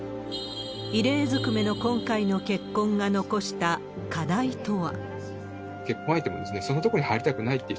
異例ずくめの今回の結婚が残した課題とは。